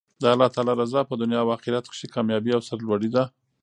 د الله تعالی رضاء په دنیا او اخرت کښي کاميابي او سر لوړي ده.